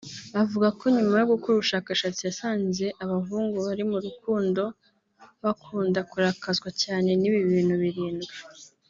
avuga ko nyuma yo gukora ubushakashatsi yasanze abahungu bari mu rukundo bakunda kurakazwa cyane n’ibi bintu birindwi